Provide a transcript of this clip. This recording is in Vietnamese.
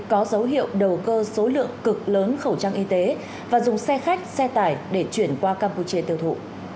có dấu hiệu đầu cơ số lượng cực lớn khẩu trang y tế và dùng xe khách xe tải để chuyển qua campuchia tiêu thụ